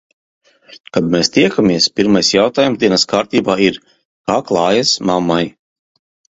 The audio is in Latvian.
Kad mēs tiekamies, pirmais jautājums dienas kārtībā ir - kā klājas mammai?